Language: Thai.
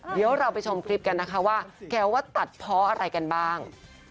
เดี๋ยวเราไปชมคลิปกันนะคะว่าแกว่าตัดเพราะอะไรกันบ้าง